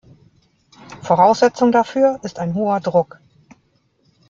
Voraussetzung dafür ist ein hoher Druck.